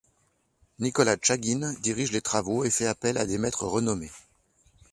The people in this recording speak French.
Nicolas Tchaguine dirige les travaux et fait appel à des maîtres renommés.